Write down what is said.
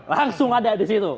langsung ada di situ